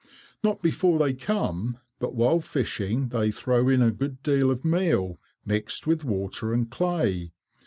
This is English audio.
"Not before they come, but while fishing they throw in a good deal of meal, mixed with water and clay.